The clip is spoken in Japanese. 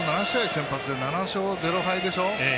先発で７勝０敗でしょう？